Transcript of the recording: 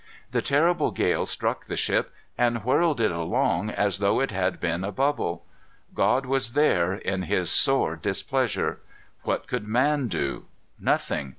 The terrible gale struck the ship and whirled it along as though it had been a bubble. God was there, in his sore displeasure. What could man do? Nothing.